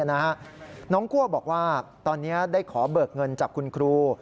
น้องคั่วบอกว่าตอนนี้ได้ขอเบิกเงินจากคุณครู